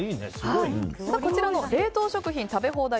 こちらの冷凍食品食べ放題